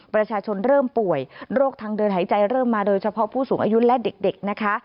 ประชาชนเริ่มป่วยโรคทางเดินหายใจเริ่มมาโดยเฉพาะผู้สูงอายุและเด็กนะคะ